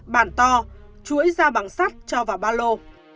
bản to chuỗi da bằng sắt cho vào ba lô